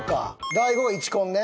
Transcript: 大悟１コンね。